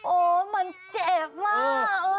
โอ้มันเจ็บมาก